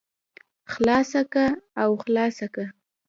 خلاصه که او خلاصه که.